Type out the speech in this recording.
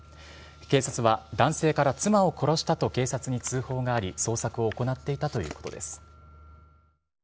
警察は男性から妻を殺したと警察に通報があり捜索を行っていたということです。